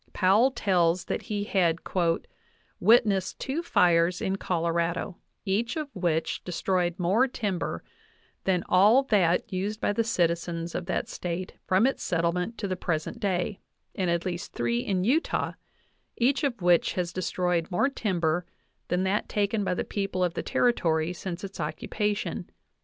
Powell tells that he had "witnessed two fires in Colorado, each of which destroyed more timber than all that used by the citizens of that State from its settlement to the present day, and at least three in Utah, each of which has destroyed more timber than that taken by the people of the Territory since its occupation.